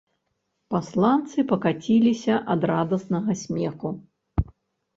Пасланцы пакаціліся ад радаснага смеху.